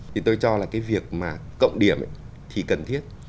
thì tôi cho là cái việc mà cộng điểm thì cần thiết